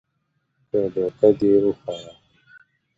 که دوکه دې وخوړه